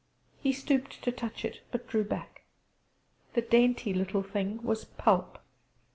He stooped to touch it, but drew back: the dainty little thing was pulp.